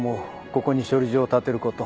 ここに処理場を建てること。